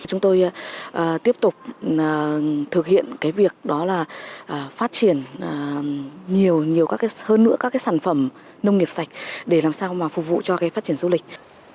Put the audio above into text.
chúng tôi tiếp tục thực hiện cái việc đó là phát triển nhiều các hơn nữa các sản phẩm nông nghiệp sạch để làm sao mà phục vụ cho phát triển du lịch